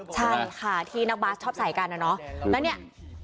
ใช่ที่นักบาร์ชอบใส่กันแล้วเนี่ย